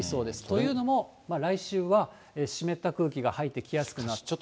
というのも、来週は湿った空気が入ってきやすくなって。